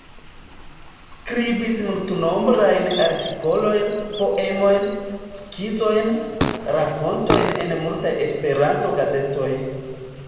Skribis multnombrajn artikolojn, poemojn, skizojn, rakontojn en multaj Esperanto-gazetoj.